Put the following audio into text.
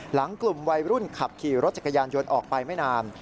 หลังกลุ่มวัยรุ่นขับขี่รถจักรยานยนต์ออกไปไม่นาน